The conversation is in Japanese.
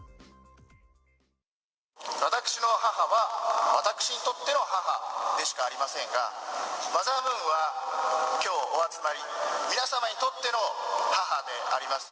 私の母は私にとっての母でしかありませんが、マザームーンは、きょうお集りの皆様にとっての母であります。